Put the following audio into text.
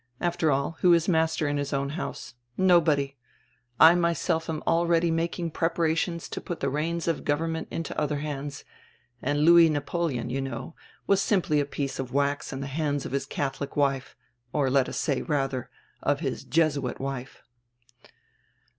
After all, who is master in his own house? Nobody. I myself am already making preparations to put the reins of government into other hands, and Louis Napoleon, you know, was simply a piece of wax in die hands of his Cadiolic wife, or let us say, radier, of his Jesuit wife."